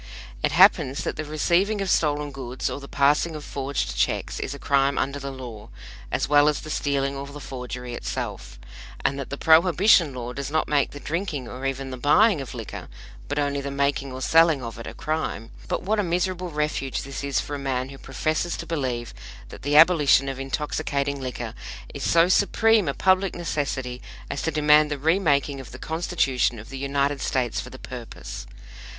It happens that the receiving of stolen goods or the passing of forged checks is a crime under the law, as well as the stealing or the forgery itself; and that the Prohibition law does not make the drinking or even the buying of liquor, but only the making or selling of it, a crime; but what a miserable refuge this is for a man who professes to believe that the abolition of intoxicating liquor is so supreme a public necessity as to demand the remaking of the Constitution of the United States for the purpose!